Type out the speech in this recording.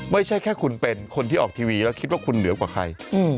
ไม่ใช่แค่คุณเป็นคนที่ออกทีวีแล้วคิดว่าคุณเหนือกว่าใคร